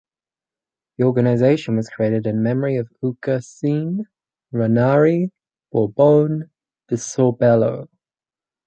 The organization was created in memory of Uguccione Ranieri Bourbon di Sorbello.